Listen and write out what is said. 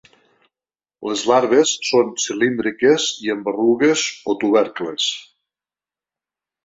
Les larves són cilíndriques i amb berrugues o tubercles.